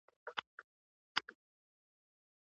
خوب كي ګلونو